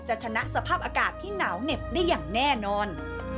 ชนะสภาพอากาศที่หนาวเหน็บได้อย่างแน่นอน